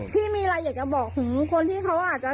พี่มีอะไรอยากจะบอกถึงคนที่เขาอาจจะ